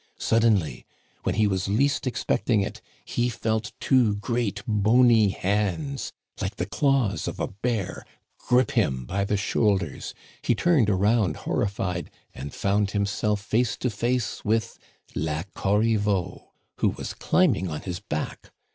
Suddenly, when he was least expecting it, he felt two great bony hands, like the claws of a bear, grip him by the shoulders. He turned around horrified, and found himself face to face with La Corriveau, who was climbing on his back.